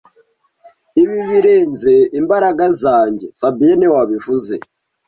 Ibi birenze imbaraga zanjye fabien niwe wabivuze